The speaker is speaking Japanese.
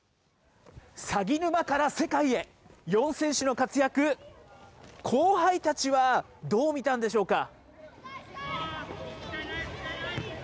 鷺沼から世界へ、４選手の活躍、後輩たちはどう見たんでしょうか。